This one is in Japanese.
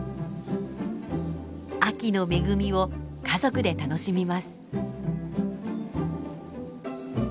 秋の恵みを家族で楽しみます。